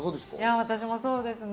私もそうですね。